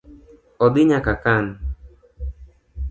Odhi nyaka kan.